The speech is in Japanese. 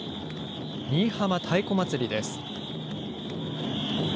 新居浜太鼓祭りです。